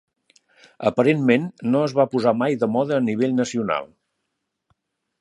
Aparentment, no es va posar mai de moda a nivell nacional.